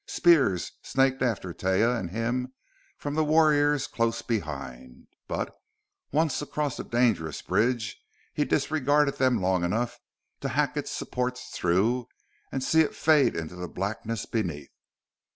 Spears snaked after Taia and him from the warriors close behind; but, once across the dangerous bridge, he disregarded them long enough to hack its supports through and see it fade into the blackness beneath.